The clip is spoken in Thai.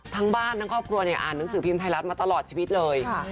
ทั้งบ้านทั้งครอบครัวเนี่ยอ่านหนังสือพิมพ์ไทยรัฐมาตลอดชีวิตเลย